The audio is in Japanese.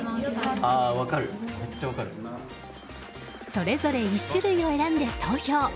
それぞれ１種類を選んで投票。